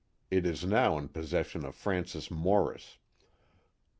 It is now in possession of Francis Morris.